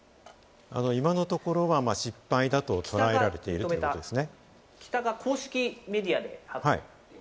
今のところは失敗だと捉えられているということですね。